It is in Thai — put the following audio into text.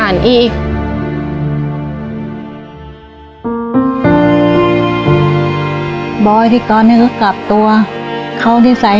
แม่ไม่อยากอยู่กับพวกหนูไง